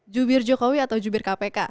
jubir jokowi atau jubir kpk